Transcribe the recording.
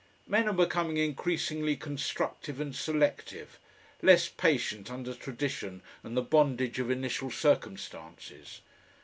Men are becoming increasingly constructive and selective, less patient under tradition and the bondage of initial circumstances.